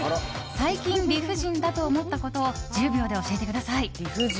最近、理不尽だと思ったことを１０秒で教えてください。